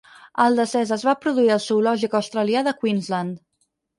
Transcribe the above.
El decés es va produir al zoològic australià de Queensland.